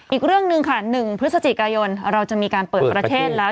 อีกเรื่องหนึ่งค่ะ๑พฤศจิกายนเราจะมีการเปิดประเทศแล้ว